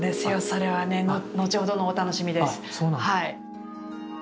それはね後ほどのお楽しみです。